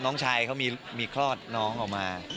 น้องชายเขามีคลอดน้องออกมา